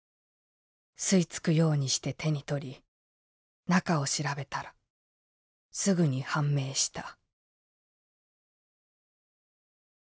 吸い付くようにして手に取り中を調べたらすぐに判明した」。